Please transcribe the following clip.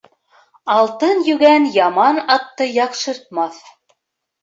Алтын йүгән яман атты яҡшыртмаҫ.